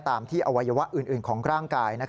ตามที่อวัยวะอื่นของร่างกาย